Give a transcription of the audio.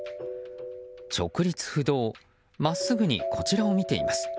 直立不動真っすぐにこちらを見ています。